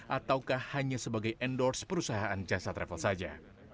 ataukah hanya sebagai endorse perusahaan jasa travel saja